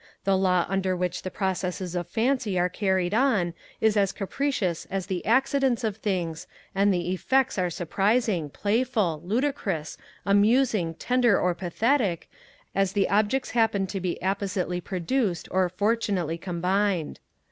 The law under which the processes of Fancy are carried on is as capricious as the accidents of things, and the effects are surprising, playful, ludicrous, amusing, tender, or pathetic, as the objects happen to be appositely produced or fortunately combined.